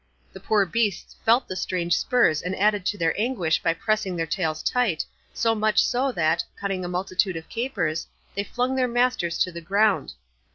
The poor beasts felt the strange spurs and added to their anguish by pressing their tails tight, so much so that, cutting a multitude of capers, they flung their masters to the ground.